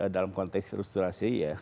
dalam konteks resturasi ya